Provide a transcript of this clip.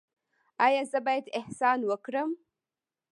ایا زه باید احسان وکړم؟